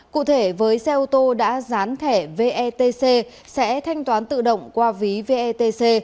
cụ thể với xe ô tô đã dán thẻ vetc sẽ thanh toán tự động qua ví vetc